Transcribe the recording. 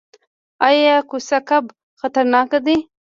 ایا کوسه کب خطرناک دی؟